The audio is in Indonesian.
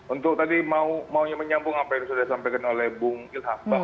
untuk tadi maunya menyambung apa yang sudah disampaikan oleh bung ilham